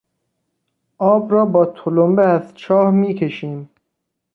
آب را با تلمبه از چاه میکشیم.